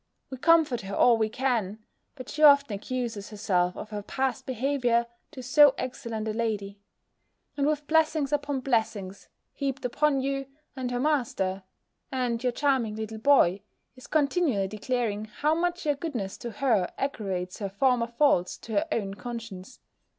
We comfort her all we can; but she often accuses herself of her past behaviour to so excellent a lady; and with blessings upon blessings, heaped upon you, and her master, and your charming little boy, is continually declaring how much your goodness to her aggravates her former faults to her own conscience.